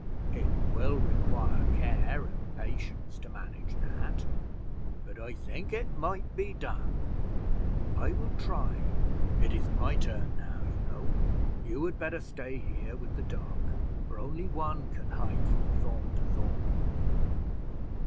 "It will require care and patience to manage that; but I think it might be done. I will try it; it is my turn now, you know. You had better stay here with the dog, for only one can hide from thorn to thorn."